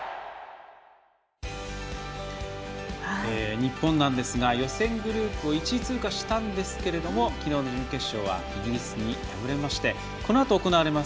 日本なんですが予選リーグを１位通過したんですが昨日の準決勝はイギリスに敗れましてこのあと行われます